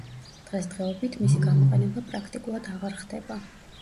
დღესდღეობით მისი გამოყენება პრაქტიკულად აღარ ხდება.